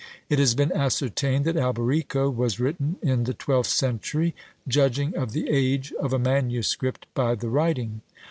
It has been ascertained that Alberico was written in the twelfth century, judging of the age of a manuscript by the writing.